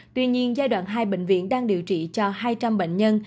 tuy nhiên giai đoạn hai bệnh viện đang điều trị cho hai trăm linh bệnh nhân